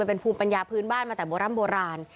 เป็นภูมิปัญญาพื้นบ้านมาแต่โบร่ำโบราณ